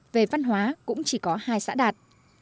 về văn hóa cũng chỉ có hai xã đạt